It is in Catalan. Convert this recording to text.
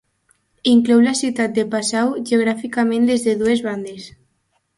Inclou la ciutat de Passau geogràficament des de dues bandes.